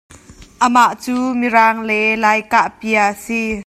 Amah cu Mirang le Lai kahpia a si.